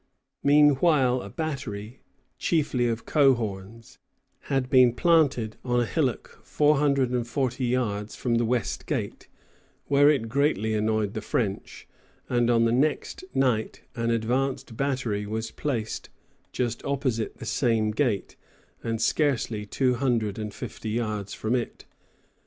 Meanwhile a battery, chiefly of coehorns, had been planted on a hillock four hundred and forty yards from the West Gate, where it greatly annoyed the French; and on the next night an advanced battery was placed just opposite the same gate, and scarcely two hundred and fifty yards from it.